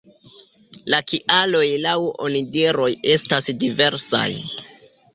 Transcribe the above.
La kialoj laŭ onidiroj estas diversaj.